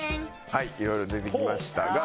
はいいろいろ出てきましたが。